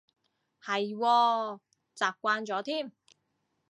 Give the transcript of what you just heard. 係喎，習慣咗添